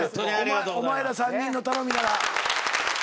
お前ら３人の頼みなら。